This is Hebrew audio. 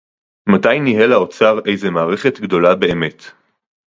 מתי ניהל האוצר איזו מערכת גדולה באמת